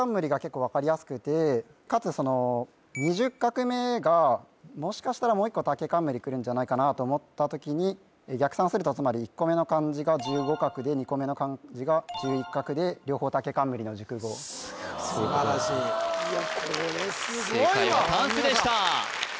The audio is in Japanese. かつその２０画目がもしかしたらもう一個竹冠くるんじゃないかなと思った時に逆算するとつまり１個目の漢字が１５画で２個目の漢字が１１画で両方竹冠の熟語すごい素晴らしいいやこれすごいわ正解はたんすでした